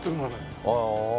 ああ。